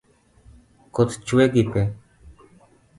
Koth chwe gi pee.